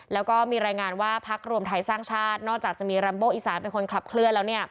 แล้วก็มีรายงานว่าพักรวมไทยสร้างชาตินอกจากจะมีรัมโบอีสานเป็นคนขับเคลื่อนแล้ว